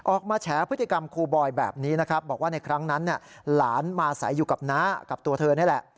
แฉพฤติกรรมครูบอยแบบนี้นะครับบอกว่าในครั้งนั้นหลานมาใส่อยู่กับน้ากับตัวเธอนี่แหละ